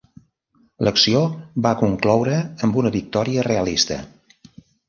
L'acció va concloure amb una victòria realista.